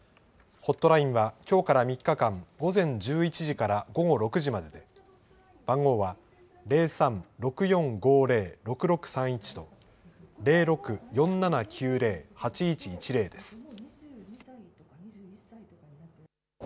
ホットラインはきょうから３日間、午前１１時から午後６時までで、番号は０３ー６４５０ー６６３１と、０６ー４７９０ー８１１０です。